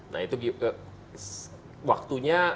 nah itu waktunya